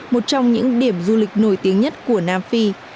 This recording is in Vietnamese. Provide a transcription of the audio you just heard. một trong những điểm du lịch nổi tiếng nhất của nam phi